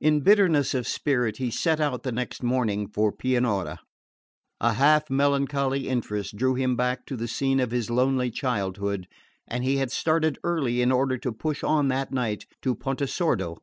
In bitterness of spirit he set out the next morning for Pianura. A half melancholy interest drew him back to the scene of his lonely childhood, and he had started early in order to push on that night to Pontesordo.